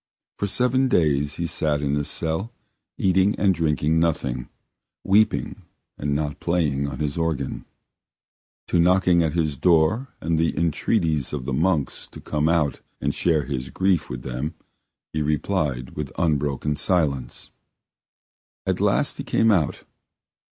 For seven days he sat in his cell, eating and drinking nothing, weeping and not playing on his organ. To knocking at his door and to the entreaties of the monks to come out and share his grief with them he replied with unbroken silence. At last he came out.